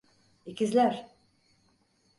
İkizler…